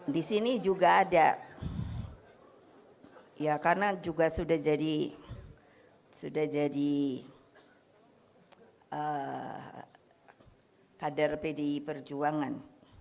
di sini juga ada ya karena juga sudah jadi kader pdi perjuangan